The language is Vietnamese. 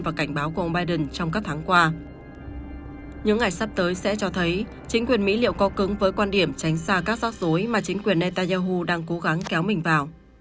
và cảnh báo của ông biden trong các tháng qua